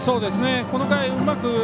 この回、うまく